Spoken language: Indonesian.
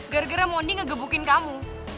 gara gara mony ngegebukin kamu